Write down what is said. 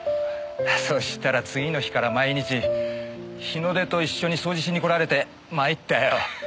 そしたら次の日から毎日日の出と一緒に掃除しに来られて参ったよ。